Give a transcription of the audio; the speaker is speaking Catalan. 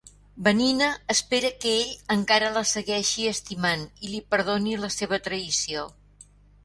Vanina espera que ell encara la segueixi estimant i li perdoni la seva traïció.